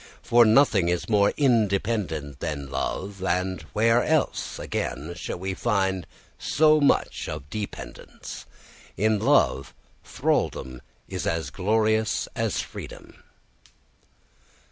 For nothing is more independent than love, and where else, again, shall we find so much of dependence? In love, thraldom is as glorious as freedom.